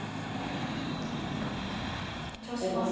緊張します。